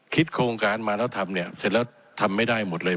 โครงการมาแล้วทำเนี่ยเสร็จแล้วทำไม่ได้หมดเลย